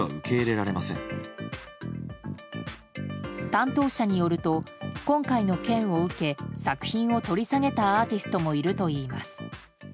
担当者によると今回の件を受け作品を取り下げたアーティストもいるといいます。